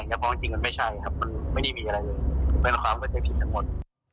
เพราะจริงมันไม่ใช่ครับมันไม่ได้มีอะไรเลยและความเข้าใจผิดทั้งหมด